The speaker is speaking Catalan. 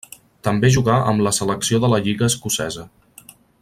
També jugà amb la selecció de la lliga escocesa.